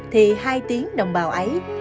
thì hai tiếng đồng bào ấy